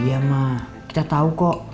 iya mah kita tau kok